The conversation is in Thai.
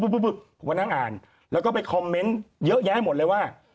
ผมก็นั่งอ่านแล้วก็ไปคอมเมนต์เยอะแยะหมดเลยว่า